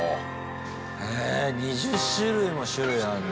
へえ２０種類も種類あるんだ。